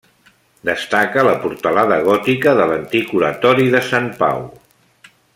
Destaca la portalada gòtica de l'antic oratori de Sant Pau.